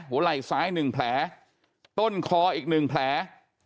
หัวไหล่ซ้ายหนึ่งแผลต้นคออีกหนึ่งแผล